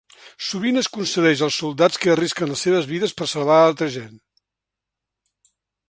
Sovint es concedeix als soldats que arrisquen les seves vides per salvar a altra gent.